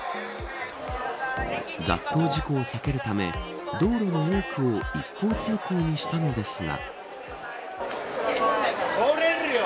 雑踏事故を避けるため道路の多くを一方通行にしたのですが。